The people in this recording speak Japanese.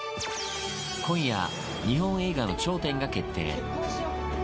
今夜、日本映画の頂点が決定。